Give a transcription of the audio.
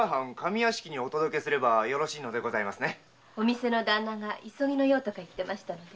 店の旦那が急ぎの用と言ってましたので。